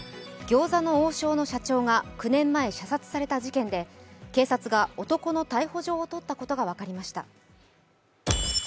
餃子の王将の社長が９年前、射殺された事件で、警察が男の逮捕状を取ったことが分かりました。